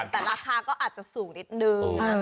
แต่ราคาก็อาจจะสูงนิดนึง